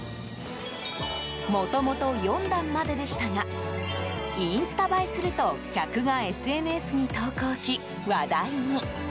もともと４段まででしたがインスタ映えすると客がＳＮＳに投稿し話題に。